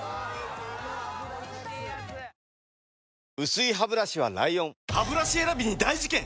薄いハブラシは ＬＩＯＮハブラシ選びに大事件！